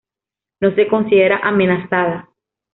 No se considera amenazada.